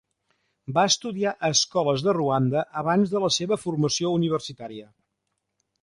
Va estudiar a escoles de Ruanda abans de la seva formació universitària.